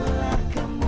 itulah kemuliaan ramadhan